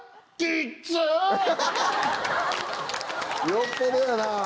よっぽどやな。